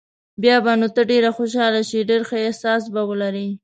بیا به نو ته ډېر خوشاله شې، ډېر ښه احساس به ولرې.